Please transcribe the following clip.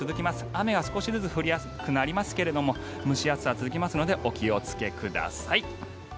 雨は少しずつ降りやすくなりますが蒸し暑さは続きますのでお気をつけください。